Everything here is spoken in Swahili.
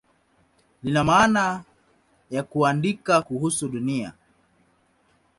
Lina maana ya "kuandika kuhusu Dunia".